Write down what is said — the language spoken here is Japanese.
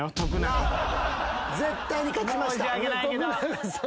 絶対に勝ちました。